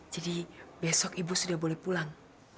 jadi besok ibu sudah boleh pulang